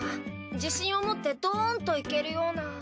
自信を持ってドーンといけるような。